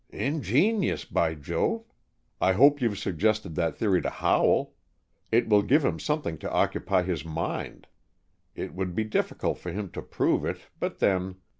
"Ingenious, by Jove! I hope you've suggested that theory to Howell. It will give him something to occupy his mind. It would be difficult for him to prove it, but then.